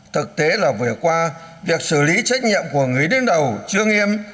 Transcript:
thực tế là vừa qua việc xử lý trách nhiệm của người đứng đầu chưa nghiêm